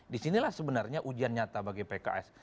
disinilah sebenarnya ujian nyata bagi pks